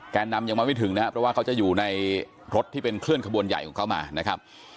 นำยังมาไม่ถึงนะครับเพราะว่าเขาจะอยู่ในรถที่เป็นเคลื่อนขบวนใหญ่ของเขามานะครับ